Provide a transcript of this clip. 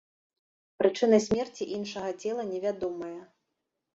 Прычына смерці іншага цела невядомая.